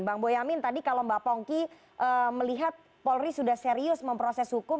bang boyamin tadi kalau mbak pongki melihat polri sudah serius memproses hukum